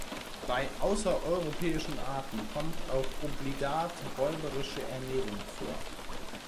Bei außereuropäischen Arten kommt auch obligat räuberische Ernährung vor.